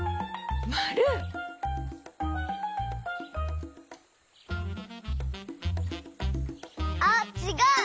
まる！あっちがう！